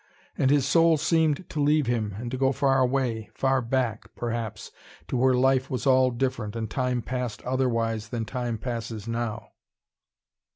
And his soul seemed to leave him and to go far away, far back, perhaps, to where life was all different and time passed otherwise than time passes now.